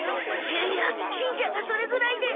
いやいやしんちゃんがそれぐらいで。